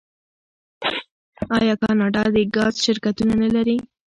آیا کاناډا د ګاز شرکتونه نلري؟